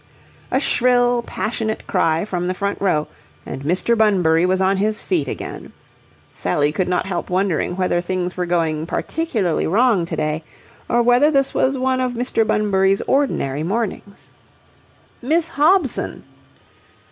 A shrill, passionate cry from the front row, and Mr. Bunbury was on his feet again. Sally could not help wondering whether things were going particularly wrong to day, or whether this was one of Mr. Bunbury's ordinary mornings. "Miss Hobson!"